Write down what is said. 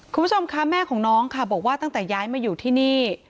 คุณผู้ชมคะแม่ของน้องค่ะบอกว่าตั้งแต่ย้ายมาอยู่ที่นี่